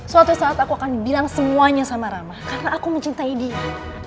suatu saat aku akan bilang semuanya sama ramah karena aku mencintai dia